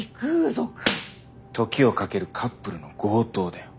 時をかけるカップルの強盗だよ。